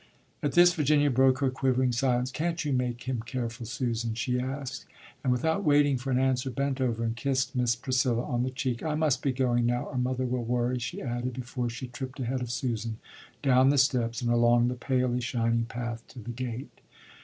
At this Virginia broke her quivering silence. "Can't you make him careful, Susan?" she asked, and without waiting for an answer, bent over and kissed Miss Priscilla on the cheek. "I must be going now or mother will worry," she added before she tripped ahead of Susan down the steps and along the palely shining path to the gate.